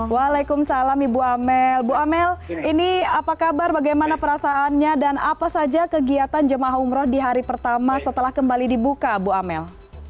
waalaikumsalam ibu amel ibu amel ini apa kabar bagaimana perasaannya dan apa saja kegiatan jemaah umroh di hari pertama setelah kembali dibuka bu amel